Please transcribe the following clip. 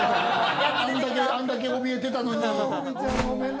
あんだけおびえてたのに。